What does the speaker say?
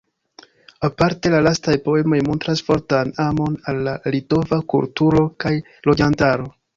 Aparte la lastaj poemoj montras fortan amon al la litova kulturo kaj loĝantaro.